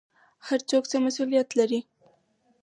هر څوک څه مسوولیت لري؟